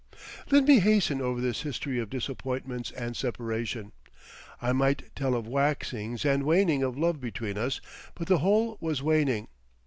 Let me hasten over this history of disappointments and separation. I might tell of waxings and waning of love between us, but the whole was waning.